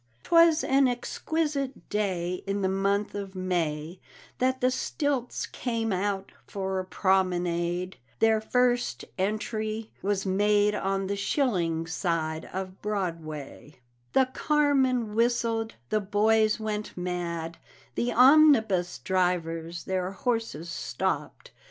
'Twas an exquisite day, In the month of May, That the stilts came out for a promenade; Their first entrée Was made on the shilling side of Broadway; The carmen whistled, the boys went mad, The omnibus drivers their horses stopped.